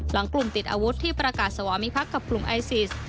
หลังกลุ่มติดอาวุธที่ประกาศสวามิพักษ์กับกลุ่มไอซิส